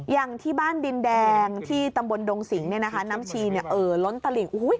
อย่างที่บ้านดินแดงที่ตำบลดงสิงนี่นะคะน้ำชีเนี่ยร้อนตะหลิง